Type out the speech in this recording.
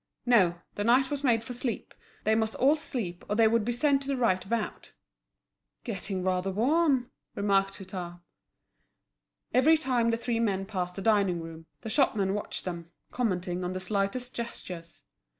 No, the night was made for sleep; they must all sleep, or they would be sent to the right about! "Getting rather warm!" remarked Hutin. Every time the three men passed the dining room, the shopmen watched them, commenting on the slightest gestures.